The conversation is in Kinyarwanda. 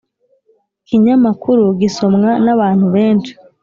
kinyamakuru gisomwa n abantu benshi